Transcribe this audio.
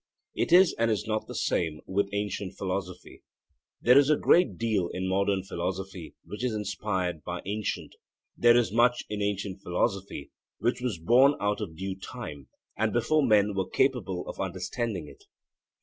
It is and is not the same with ancient philosophy. There is a great deal in modern philosophy which is inspired by ancient. There is much in ancient philosophy which was 'born out of due time; and before men were capable of understanding it.